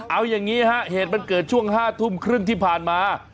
เอาอย่างนี้ฮะเหตุมันเกิดช่วง๕ทุ่มครึ่งที่ผ่านมา